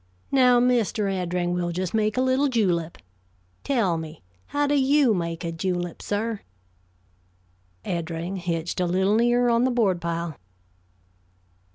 Now, Mr. Eddring, we'll just make a little julep. Tell me, how do you make a julep, sir?" Eddring hitched a little nearer on the board pile.